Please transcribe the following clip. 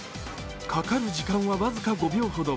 かかる時間は僅か５秒ほど。